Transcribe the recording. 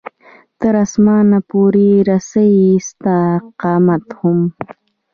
تر اسمانه پورې رسي ستا قامت هم